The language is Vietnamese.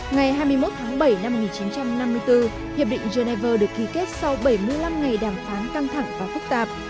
ngày hai mươi một tháng bảy năm một nghìn chín trăm năm mươi bốn hiệp định geneva được ký kết sau bảy mươi năm ngày đàm phán căng thẳng và phức tạp